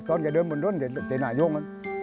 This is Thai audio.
ตอนเดินบนทุนที่หน้ายุ่ง